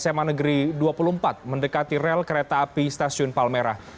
sma negeri dua puluh empat mendekati rel kereta api stasiun palmerah